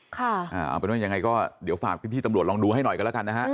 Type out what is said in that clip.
เอาเป็นว่ายังไงก็เดี๋ยวฝากพี่ตำรวจลองดูให้หน่อยกันแล้วกันนะฮะ